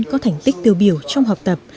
có thành tích tiêu biểu trong học tập